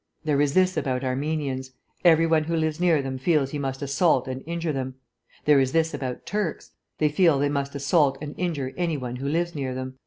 There is this about Armenians: every one who lives near them feels he must assault and injure them. There is this about Turks: they feel they must assault and injure any one who lives near them.